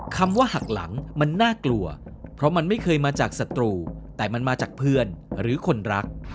คำว่าหักหลังมันน่ากลัวเพราะมันไม่เคยมาจากศัตรูแต่มันมาจากเพื่อนหรือคนรัก